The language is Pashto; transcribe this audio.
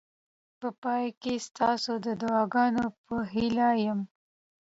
په پای کې ستاسو د دعاګانو په هیله یم.